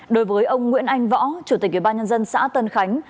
đối với ông nguyễn anh võ chủ tịch ủy ban nhân dân xã tân khánh